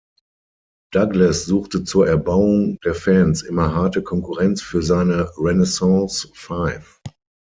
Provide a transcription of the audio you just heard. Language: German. Douglas suchte zur Erbauung der Fans immer harte Konkurrenz für seine Renaissance Five.